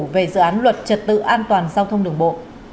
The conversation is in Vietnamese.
về dự án luật trật tự an toàn giao thông đường bộ